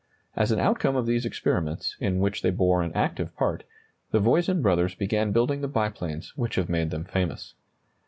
As an outcome of these experiments, in which they bore an active part, the Voisin brothers began building the biplanes which have made them famous.